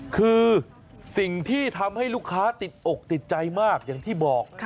คือสิ่งที่ทำให้ลูกค้าติดอกติดใจมากอย่างที่บอก